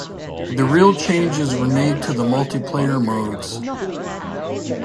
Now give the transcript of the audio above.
The real changes were made to the multiplayer modes.